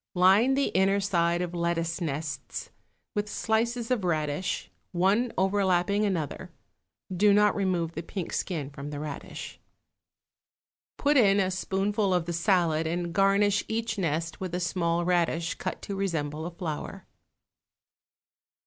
Line the inner side of lettuce nests with slices of radish, one overlapping another (do not remove the pink skin from the radish). Put in a spoonful of the salad and garnish each nest with a small radish cut to resemble a flower.